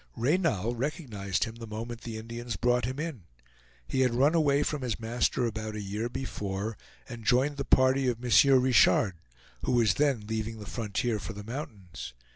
Reynal recognized him the moment the Indians brought him in. He had run away from his master about a year before and joined the party of M. Richard, who was then leaving the frontier for the mountains.